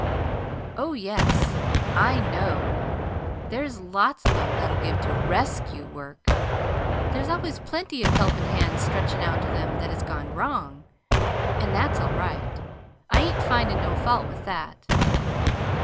"Oh, yes, I know! There's lots of 'em that'll give to RESCUE work. There's always plenty of helpin' hands stretched out to them that has gone wrong. And that's all right. I ain't findin' no fault with that.